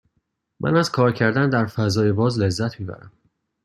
من از کار کردن در فضای باز لذت می برم.